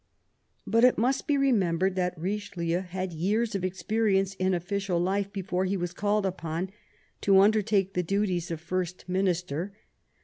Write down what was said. But it must be remembered that Eichelieu had years of experience in official life before he was called upon to undertake the duties of First Minister.